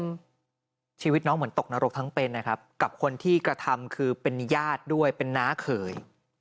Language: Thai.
ชีวิตน้องเหมือนตกนรกทั้งเป็นนะครับกับคนที่กระทำคือเป็นญาติด้วยเป็นน้าเขย